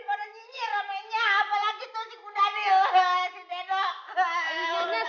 orang orang kampung daripada nyinyir